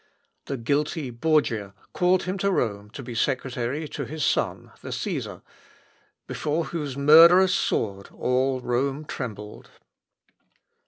The guilty Borgia called him to Rome to be secretary to his son, the Cesar, before whose murderous sword all Rome trembled.